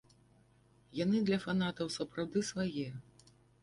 Яны для фанатаў сапраўды свае.